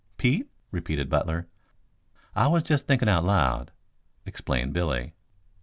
"Pete?" repeated Butler. "I was just thinkin' out loud," explained Billy.